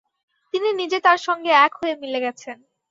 তিনি নিজে তার সঙ্গে এক হয়ে মিলে গেছেন।